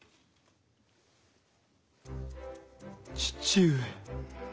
父上。